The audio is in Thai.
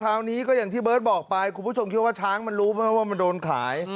คราวนี้ก็อย่างที่เบิร์ตบอกไปคุณผู้ชมคิดว่าช้างมันรู้ไหมว่ามันโดนขาย